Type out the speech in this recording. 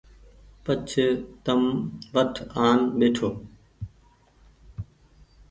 پڇ تم وٽ آن ٻهيٺو